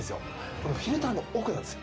このフィルターの奥なんです